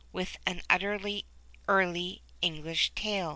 With an utterly Early English tail.